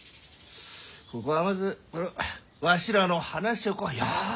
ここはまずわしらの話をよく聞いて。